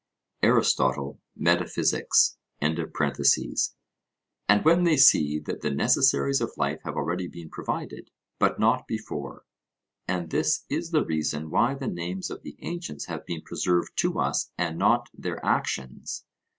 Arist. Metaphys.), and when they see that the necessaries of life have already been provided, but not before. And this is the reason why the names of the ancients have been preserved to us and not their actions.